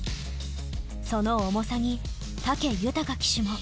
その重さに武豊騎手も。